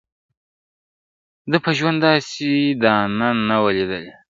• ده په ژوند داسي دانه نه وه لیدلې -